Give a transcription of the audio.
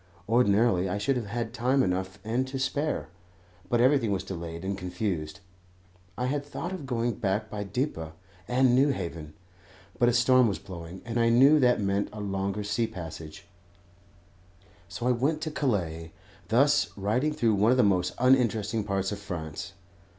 Ordinarily I should have had time enough and to spare, but everything was delayed and confused. I had thought of going back by Dieppe and Newhaven; but a storm was blowing, and I knew that meant a longer sea passage, so I went to Calais, thus riding through one of the most uninteresting parts of France.